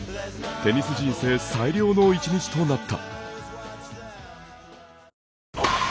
テニス人生最良の一日となった。